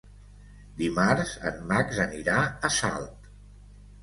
Dimarts en Max anirà a Salt.